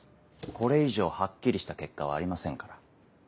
これ以上はっきりした結果はありませんから。